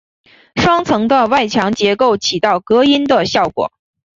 双层的外墙结构起到隔音的效果。